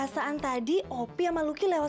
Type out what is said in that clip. tante merry aku mau ke rumah